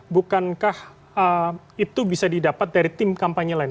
bukankah itu bisa didapat dari tim kampanye lain